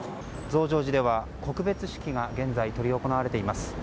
増上寺では告別式が現在執り行われています。